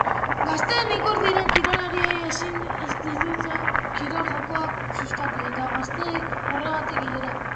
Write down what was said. Gazteen ikur diren kirolariek ezin dituzte kirol jokoak sustatu eta gazteak horretara bideratu.